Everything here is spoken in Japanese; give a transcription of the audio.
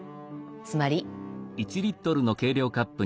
つまり。